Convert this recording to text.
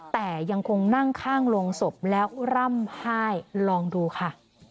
แต่ยังคงนั่งข้างโรงศพแล้วร่ำไห้ลองดูค่ะ